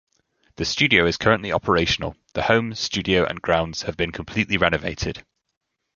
The studio is currently operational, the home, studio and grounds have been completely renovated.